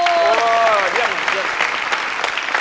เยี่ยม